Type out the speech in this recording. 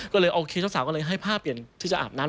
ก็เลยโอเคเจ้าสาวก็เลยให้ผ้าเปลี่ยนที่จะอาบน้ำ